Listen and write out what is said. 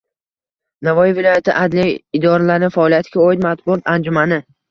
Navoiy viloyati adliya idoralari faoliyatiga oid matbuot anjumani